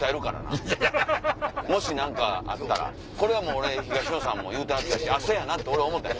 もし何かあったらこれはもう俺東野さんも言うてはったしそやなと俺は思った。